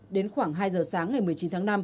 đến khoảng hai giờ sáng ngày một mươi chín tháng năm